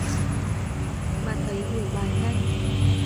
bạn ấy hiểu bài nhanh